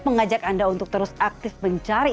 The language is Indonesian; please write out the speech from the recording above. mengajak anda untuk terus aktif mencari